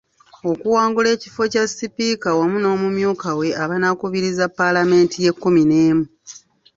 Baalowoozezza nti yabadde akubiddwa amasasi.